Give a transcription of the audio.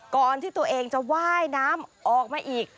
ก่อนที่ตัวเองจะว่ายน้ำออกมาอีก